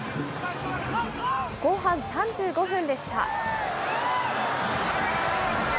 後半３５分でした。